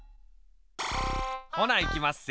ほないきまっせ。